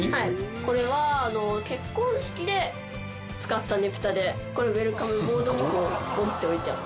これは結婚式で使ったねぷたでこれウェルカムボードにこうポンって置いてあって。